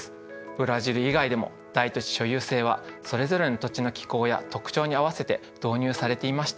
ブラジル以外でも大土地所有制はそれぞれの土地の気候や特徴に合わせて導入されていました。